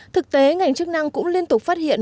thực tế ngành chức năng cũng liên tục phát hiện